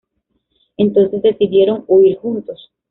Entonces decidieron huir juntos.